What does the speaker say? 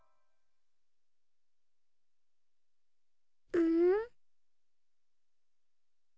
うん？